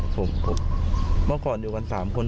ผมเมื่อก่อนอยู่กัน๓คน